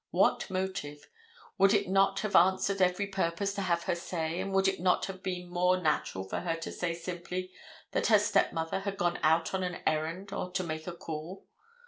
What motive? Would it not have answered every purpose to have her say, and would it not have been more natural for her to say simply that her stepmother had gone out on an errand or to make a call?